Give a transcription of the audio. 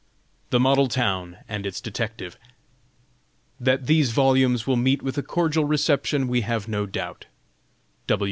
"THE MODEL TOWN AND ITS DETECTIVE." That these Volumes will meet with a cordial reception we have no doubt.